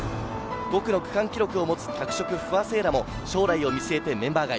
５区の区間記録を持つ拓殖・不破聖衣来も将来を見据えてメンバー外。